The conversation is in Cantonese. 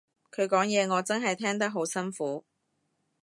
佢講嘢我真係聽得好辛苦